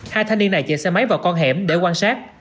hai thanh niên này chạy xe máy vào con hẻm để quan sát